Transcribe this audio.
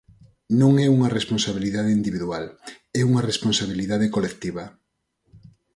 Non é unha responsabilidade individual, é unha responsabilidade colectiva.